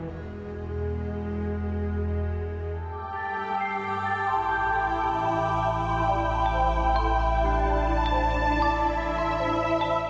ที่อยู่นี้ก็รักในหลวงเหมือนพ่อบังเกิดกล้าว